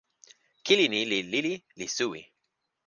kili ni li lili li suwi.